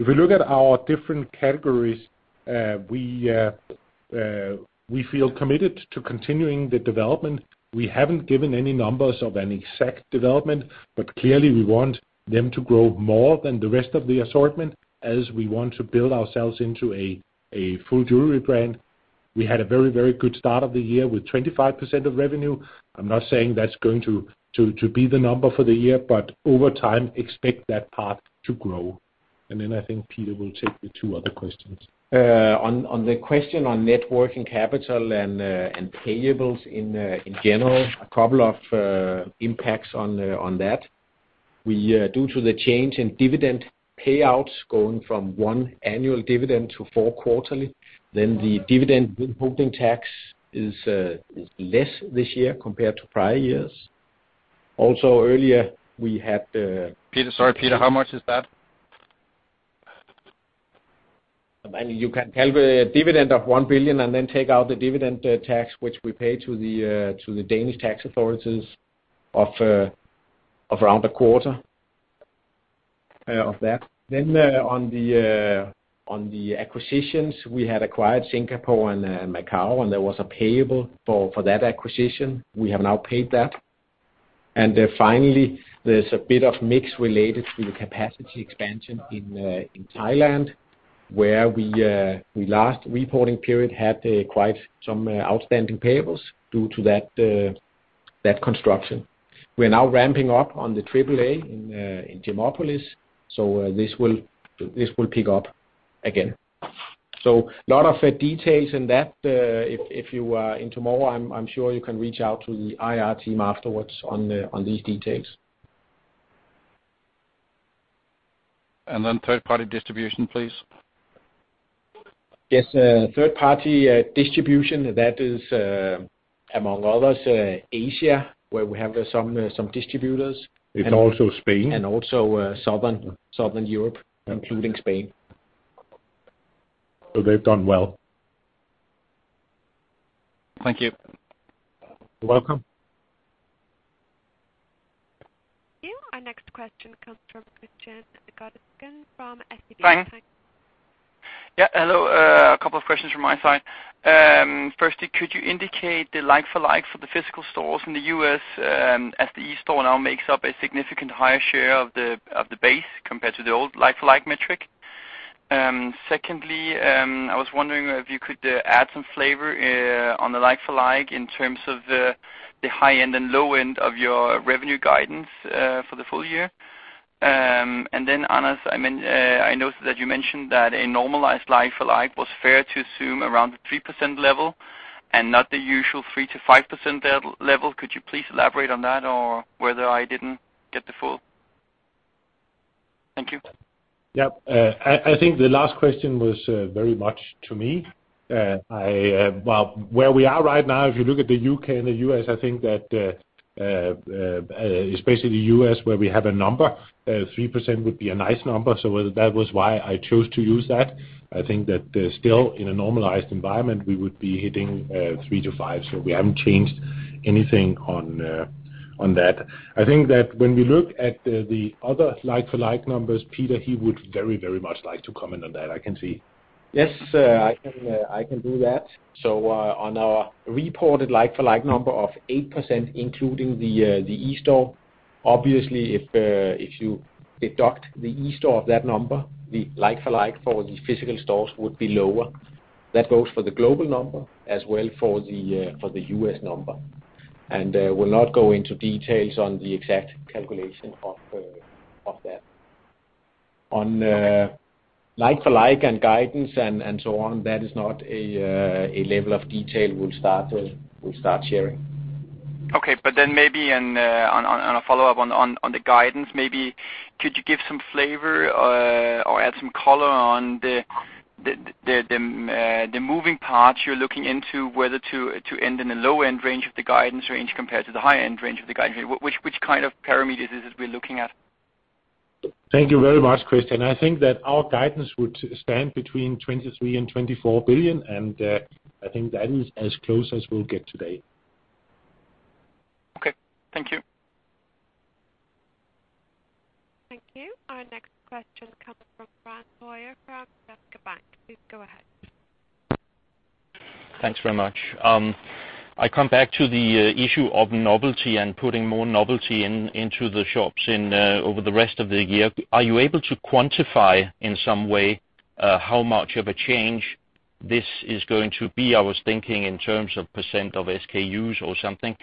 If we look at our different categories, we feel committed to continuing the development. We haven't given any numbers of an exact development, but clearly, we want them to grow more than the rest of the assortment, as we want to build ourselves into a full jewelry brand. We had a very, very good start of the year with 25% of revenue. I'm not saying that's going to be the number for the year, but over time, expect that part to grow. ... And then I think Peter will take the two other questions. On the question on net working capital and payables in general, a couple of impacts on that. Due to the change in dividend payouts going from 1 annual dividend to 4 quarterly, then the dividend withholding tax is less this year compared to prior years. Also, earlier, we had Peter, sorry, Peter, how much is that? I mean, you can have a dividend of 1 billion and then take out the dividend tax, which we pay to the Danish tax authorities of around a quarter of that. Then, on the acquisitions, we had acquired Singapore and Macau, and there was a payable for that acquisition. We have now paid that. Finally, there's a bit of mix related to the capacity expansion in Thailand, where we last reporting period had quite some outstanding payables due to that construction. We are now ramping up on the AAA in Gemopolis, so this will pick up again. A lot of details in that. If you are into more, I'm sure you can reach out to the IR team afterwards on these details. And then third-party distribution, please. Yes, third-party distribution, that is, among others, Asia, where we have some distributors. It's also Spain. Also, Southern Europe, including Spain. They've done well. Thank you. You're welcome. Thank you. Our next question comes from Kristian Godiksen from SEB. Hi. Yeah, hello, a couple of questions from my side. Firstly, could you indicate the like-for-like for the physical stores in the US, as the eSTORE now makes up a significant higher share of the, of the base compared to the old like-for-like metric? Secondly, I was wondering if you could add some flavor on the like-for-like in terms of the, the high end and low end of your revenue guidance, for the full year. And then, Anders, I mean, I noticed that you mentioned that a normalized like-for-like was fair to assume around the 3% level and not the usual 3%-5% level. Could you please elaborate on that or whether I didn't get the full? Thank you. Yeah. I think the last question was very much to me. Well, where we are right now, if you look at the UK and the US, I think that especially the US, where we have a number, 3% would be a nice number, so that was why I chose to use that. I think that still, in a normalized environment, we would be hitting 3%-5%, so we haven't changed anything on that. I think that when we look at the other like-for-like numbers, Peter, he would very much like to comment on that, I can see. Yes, I can do that. So, on our reported like-for-like number of 8%, including the eSTORE, obviously, if you deduct the eSTORE of that number, the like-for-like for the physical stores would be lower. That goes for the global number as well for the US number. We'll not go into details on the exact calculation of that. On like-for-like and guidance and so on, that is not a level of detail we'll start sharing. Okay, but then maybe on a follow-up on the guidance, maybe could you give some flavor or add some color on the moving parts you're looking into whether to end in the low-end range of the guidance range compared to the high-end range of the guidance range? Which kind of parameters is this we're looking at? Thank you very much, Kristian. I think that our guidance would stand between 23 billion and 24 billion, and I think that is as close as we'll get today. Okay. Thank you. Thank you. Our next question comes from Frans Høyer from Jyske Bank. Please go ahead. Thanks very much. I come back to the issue of novelty and putting more novelty in, into the shops in, over the rest of the year. Are you able to quantify, in some way, how much of a change this is going to be? I was thinking in terms of percent of SKUs or something.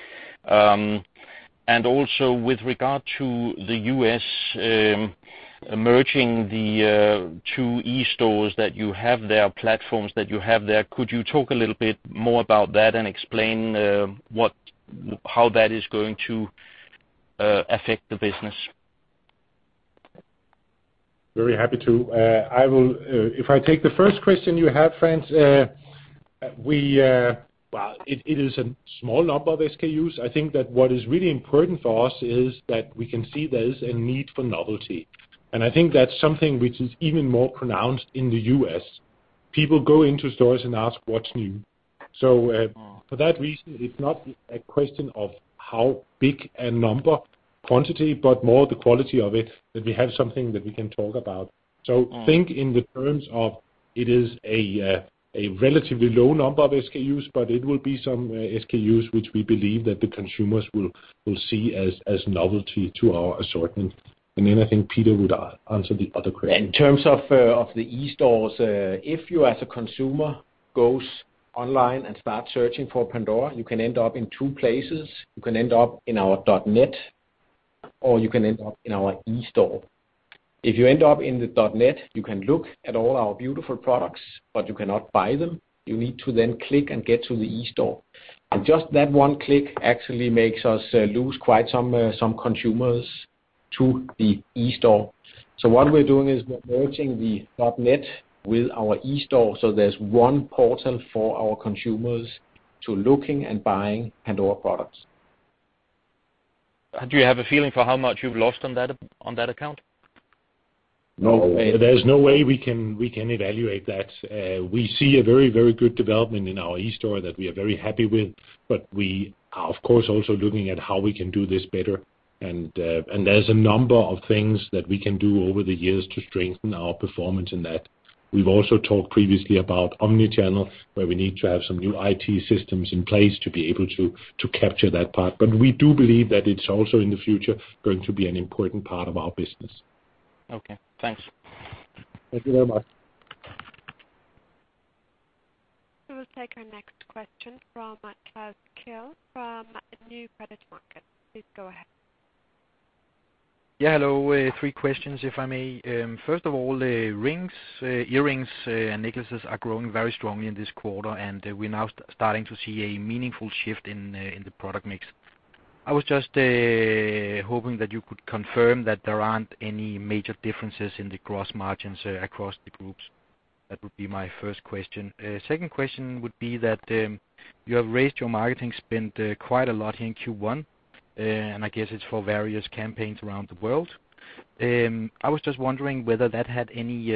And also, with regard to the U.S., merging the two eSTOREs that you have there, platforms that you have there, could you talk a little bit more about that and explain what how that is going to affect the business? Very happy to. I will, if I take the first question you have, Frans, we, well, it is a small number of SKUs. I think that what is really important for us is that we can see there is a need for novelty, and I think that's something which is even more pronounced in the U.S. People go into stores and ask: What's new? So, for that reason, it's not a question of how big a number, quantity, but more the quality of it, that we have something that we can talk about. So think in the terms of it is a relatively low number of SKUs, but it will be some SKUs which we believe that the consumers will, will see as novelty to our assortment. And then I think Peter would answer the other question. In terms of of the eSTOREs, if you, as a consumer, goes...... online and start searching for Pandora, you can end up in two places. You can end up in our .net, or you can end up in our eSTORE. If you end up in the .net, you can look at all our beautiful products, but you cannot buy them. You need to then click and get to the eSTORE, and just that one click actually makes us lose quite some consumers to the eSTORE. So what we're doing is we're merging the .net with our eSTORE, so there's one portal for our consumers to looking and buying Pandora products. Do you have a feeling for how much you've lost on that, on that account? No, there's no way we can, we can evaluate that. We see a very, very good development in our eSTORE that we are very happy with. But we are, of course, also looking at how we can do this better, and, and there's a number of things that we can do over the years to strengthen our performance in that. We've also talked previously about omnichannel, where we need to have some new IT systems in place to be able to, to capture that part. But we do believe that it's also, in the future, going to be an important part of our business. Okay, thanks. Thank you very much. We will take our next question from Klaus Kehl from Nykredit Markets. Please go ahead. Yeah, hello. Three questions, if I may. First of all, the rings, earrings, and necklaces are growing very strongly in this quarter, and we're now starting to see a meaningful shift in the product mix. I was just hoping that you could confirm that there aren't any major differences in the gross margins across the groups. That would be my first question. Second question would be that you have raised your marketing spend quite a lot in Q1, and I guess it's for various campaigns around the world. I was just wondering whether that had any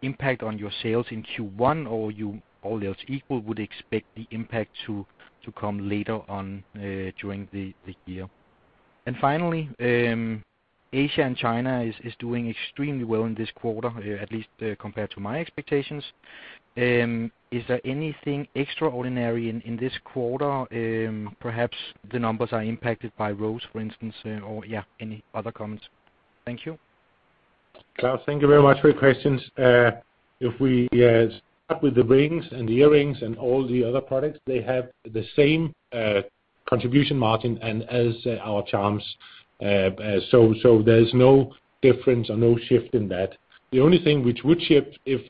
impact on your sales in Q1, or you, all else equal, would expect the impact to come later on during the year? Finally, Asia and China is doing extremely well in this quarter, at least compared to my expectations. Is there anything extraordinary in this quarter? Perhaps the numbers are impacted by Rose, for instance, or any other comments? Thank you. Klaus, thank you very much for your questions. If we start with the rings and the earrings and all the other products, they have the same contribution margin and as our charms. So, there's no difference or no shift in that. The only thing which would shift if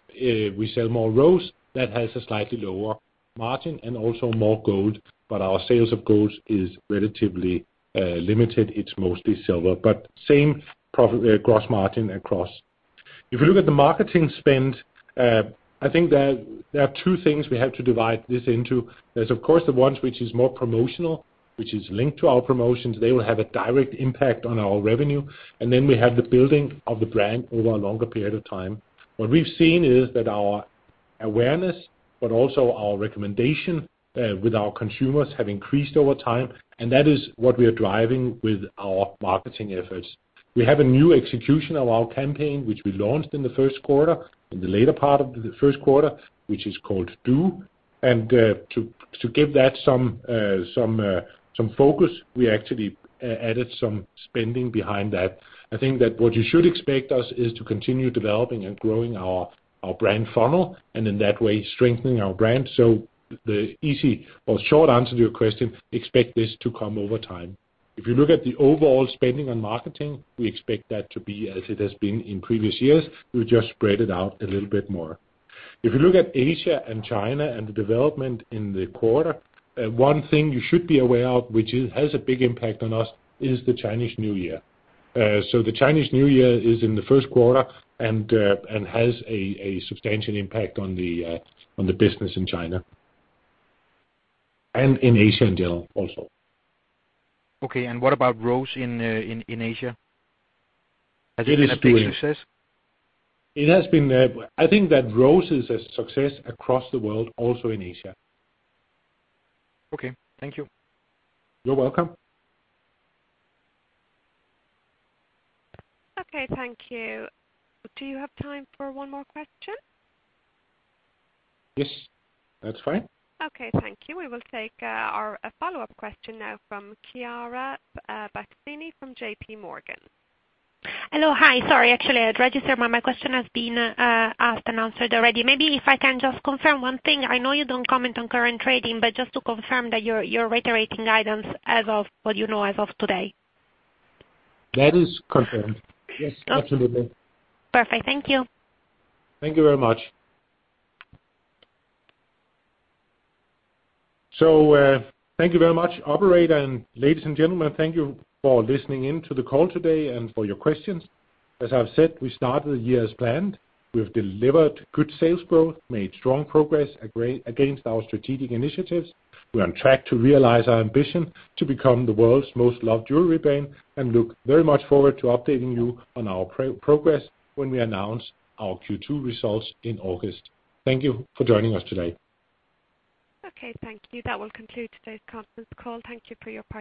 we sell more Rose, that has a slightly lower margin and also more gold, but our sales of gold is relatively limited. It's mostly silver, but same profit gross margin across. If you look at the marketing spend, I think that there are two things we have to divide this into. There's, of course, the ones which is more promotional, which is linked to our promotions. They will have a direct impact on our revenue. And then we have the building of the brand over a longer period of time. What we've seen is that our awareness, but also our recommendation with our consumers, have increased over time, and that is what we are driving with our marketing efforts. We have a new execution of our campaign, which we launched in the first quarter, in the later part of the first quarter, which is called DO, and to give that some focus, we actually added some spending behind that. I think that what you should expect us is to continue developing and growing our brand funnel, and in that way, strengthening our brand. So the easy or short answer to your question, expect this to come over time. If you look at the overall spending on marketing, we expect that to be as it has been in previous years. We'll just spread it out a little bit more. If you look at Asia and China and the development in the quarter, one thing you should be aware of, which has a big impact on us, is the Chinese New Year. So the Chinese New Year is in the first quarter and has a substantial impact on the business in China... and in Asia, in general, also. Okay, and what about Rose in Asia? It is doing- Has it been a big success? It has been, I think that Rose is a success across the world, also in Asia. Okay, thank you. You're welcome. Okay, thank you. Do you have time for one more question? Yes, that's fine. Okay, thank you. We will take a follow-up question now from Chiara Battistini from J.P. Morgan. Hello. Hi, sorry, actually, I registered, but my question has been asked and answered already. Maybe if I can just confirm one thing: I know you don't comment on current trading, but just to confirm that you're reiterating guidance as of what you know as of today. That is confirmed. Yes, absolutely. Perfect. Thank you. Thank you very much. So, thank you very much, operator, and ladies and gentlemen, thank you for listening in to the call today and for your questions. As I've said, we started the year as planned. We have delivered good sales growth, made strong progress against our strategic initiatives. We are on track to realize our ambition to become the world's most loved jewelry brand, and look very much forward to updating you on our progress when we announce our Q2 results in August. Thank you for joining us today. Okay, thank you. That will conclude today's conference call. Thank you for your participation.